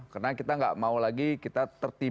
karena kita gak mau lagi kita tertipu soal demokratik